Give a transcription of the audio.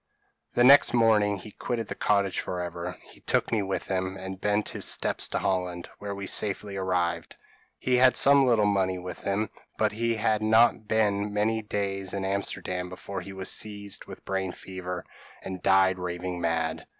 p> "The next morning he quitted the cottage for ever. He took me with him, and bent his steps to Holland, where we safely arrived. He had some little money with him; but he had not been many days in Amsterdam before he was seized with a brain fever, and died raving mad.